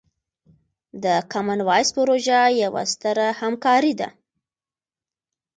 د کامن وایس پروژه یوه ستره همکارۍ ده.